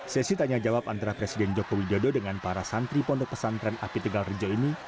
sesi tanya jawab antara presiden joko widodo dengan para santri pondok pesantren api tegal rejo ini